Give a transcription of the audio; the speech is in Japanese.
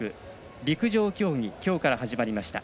陸上競技きょうから始まりました。